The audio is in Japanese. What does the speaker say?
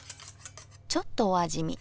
ちょっとお味見。